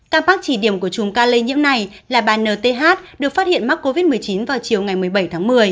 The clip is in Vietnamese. ca mắc chỉ điểm của trùm ca lây nhiễm này là bà n t h được phát hiện mắc covid một mươi chín vào chiều ngày một mươi bảy tháng một mươi